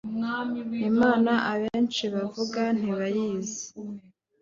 imana abenshi bavuga ntibayizi